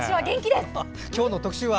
今日の特集は？